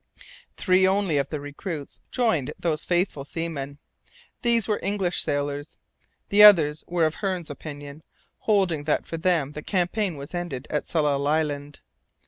Three only of the recruits joined those faithful seamen; these were English sailors. The others were of Hearne's opinion, holding that for them the campaign was ended at Tsalal Island.